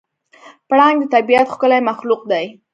پړانګ د طبیعت ښکلی مخلوق دی.